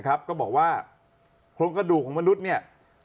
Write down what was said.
ก็บอกว่าโครงกระดูกของมนุษย์เนี่ย